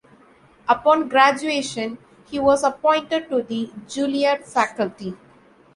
Upon graduation, he was appointed to the Juilliard faculty.